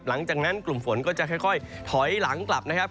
หลังจากนั้นกลุ่มฝนก็จะค่อยถอยหลังกลับนะครับ